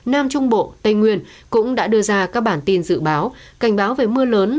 nam trung bộ tây nguyên cũng đã đưa ra các bản tin dự báo cảnh báo về mưa lớn